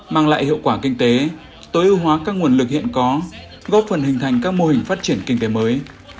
mang lại hiệu quả kinh tế tối ưu hóa các nguồn lực hiện có góp phần hình thành các mô hình phát triển kinh tế mới